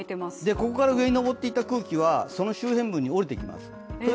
ここから上に上っていた空気は、周辺部に降りていきます。